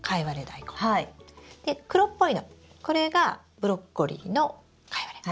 で黒っぽいのこれがブロッコリーのカイワレ。